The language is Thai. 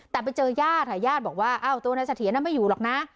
แต่ไปเจ้ายาสนะยาสบอกว่าตัวนายเสถียรนั้นไม่อยู่หรอกนะ